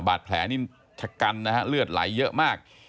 บาดแผลนี่ชะกันนะฮะเลือดไหลเยอะมาก